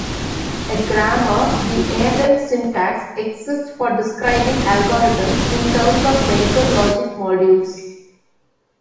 A grammar-the Arden syntax-exists for describing algorithms in terms of medical logic modules.